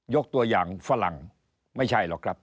ยกตัวอย่างฝรั่งไม่ใช่หรอกครับ